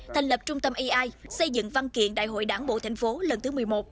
thành lập trung tâm ai xây dựng văn kiện đại hội đảng bộ thành phố lần thứ một mươi một